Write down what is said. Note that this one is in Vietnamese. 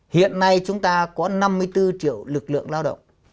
hiện nay chúng ta có năm mươi bốn triệu lực lượng lao động